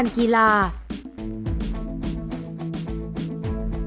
จุดที่๓รวมภาพธนบัตรที่๙